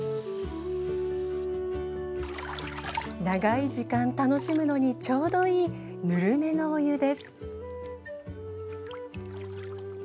長い時間楽しむのにちょうどいいぬるめのお湯です。